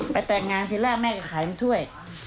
ไปแตกงานที่แรกแม่ก็ขายงานท่วย